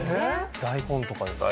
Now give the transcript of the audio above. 大根とかですか？